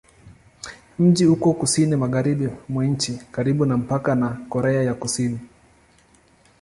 Mji uko kusini-magharibi mwa nchi, karibu na mpaka na Korea ya Kusini.